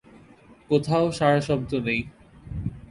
কোথাও সাড়াশব্দ নাই।